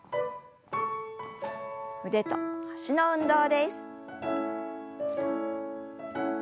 腕と脚の運動です。